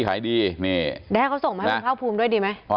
แด๊กเขาส่งมาให้ผมเผ่าภูมิด้วยดีมั้ย